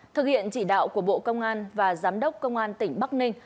thực hiện chỉ đạo của bộ công an và giám đốc công an tỉnh bắc ninh